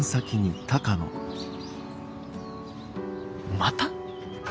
また！？